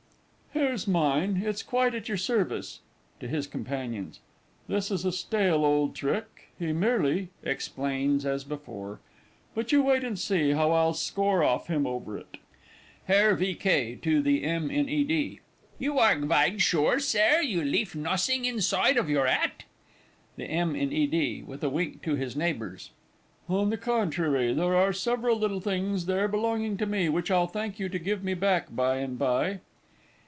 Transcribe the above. Here's mine it's quite at your service. [To his companions.] This is a stale old trick, he merely (explains as before). But you wait and see how I'll score off him over it! [Illustration: "LED ME SEE I SEEM TO REMEMBER YOUR FACE SOME'OW."] HERR V. K. (to the M. in E. D.). You are gvide sure, Sare, you leaf nossing insoide of your 'at? THE M. IN E. D. (with a wink to his neighbours). On the contrary, there are several little things there belonging to me, which I'll thank you to give me back by and by.